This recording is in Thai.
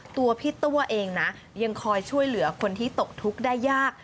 ตัวพี่ตัวเองนะยังคอยช่วยเหลือคนที่ตกทุกข์ได้ยาก